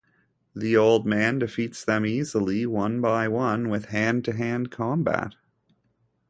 The old man defeats them easily one by one with hand-to-hand combat.